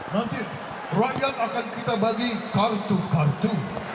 nanti rakyat akan kita bagi kartu kartu